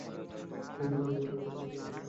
রিংকুর boyfriend এসেছে, MS.